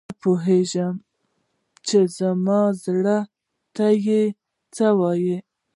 نه پوهیږم چې زما زړه ته یې څه وویل؟